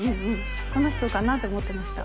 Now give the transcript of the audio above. この人かなと思ってました